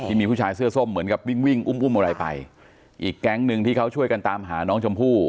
มีผู้ชายเสื้อส้มเหมือนกับวิ่งวิ่งอุ้มอุ้มอะไรไปอีกแก๊งหนึ่งที่เขาช่วยกันตามหาน้องชมพู่